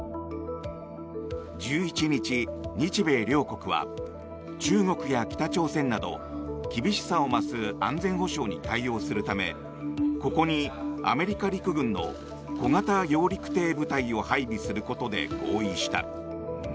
１１日、日米両国は中国や北朝鮮など厳しさを増す安全保障に対応するためここにアメリカ陸軍の小型揚陸艇部隊を配備することで合意した。